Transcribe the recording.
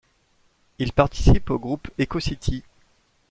Il participe au groupe Echo City.